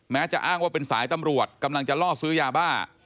จะอ้างว่าเป็นสายตำรวจกำลังจะล่อซื้อยาบ้า